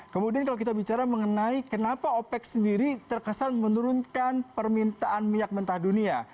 kemudian kalau kita bicara mengenai kenapa opec sendiri terkesan menurunkan permintaan minyak mentah dunia